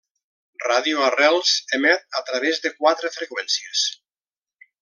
Ràdio Arrels emet a través de quatre freqüències.